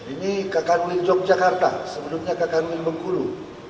ini kak kanwil yogyakarta sebelumnya kak kanwil bengkulu